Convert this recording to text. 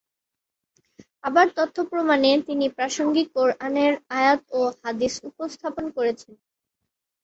আবার তথ্য-প্রমাণে তিনি প্রাসঙ্গিক কোরআনের আয়াত ও হাদিস উপস্থাপন করেছেন।